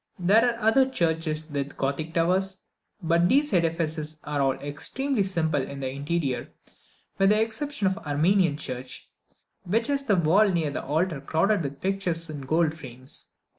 There are other churches with Gothic towers, but these edifices are all extremely simple in the interior, with the exception of the Armenian church, which has the wall near the altar crowded with pictures in gold frames.